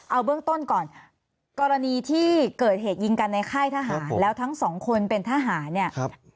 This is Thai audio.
เอาเบื้องต้นก่อนกรณีที่เกิดเหตุยิงกันในค่ายทหารแล้วทั้งสองคนเป็นทหารเนี่ย